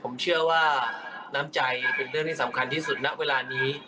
ผมเชื่อว่าน้ำใจเป็นเรื่องที่สำคัญที่สุดณเวลานี้